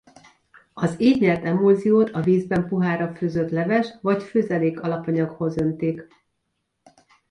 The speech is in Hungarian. Az így nyert emulziót a vízben puhára főzött leves- vagy főzelék-alapanyaghoz öntik.